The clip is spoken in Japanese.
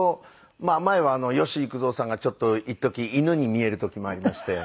前は吉幾三さんがちょっといっとき犬に見える時もありまして。